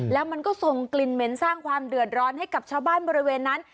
แล้วมันก็ส่งกลิ่นเหม็นสร้างความเดือดร้อนให้กับชาวบ้านบริเวณนั้น